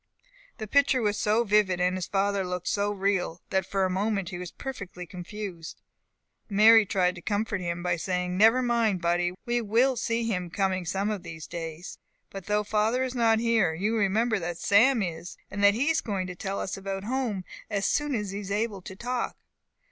The picture was so vivid, and his father looked so real, that for a moment he was perfectly confused. Mary tried to comfort him by saying, "Never mind, buddy; we will see him coming some of these days. But though father is not here, you remember that Sam is, and that he is going to tell us about home, as soon as he is able to talk.